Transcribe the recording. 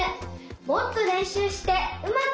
もっとれんしゅうしてうまくなりたい！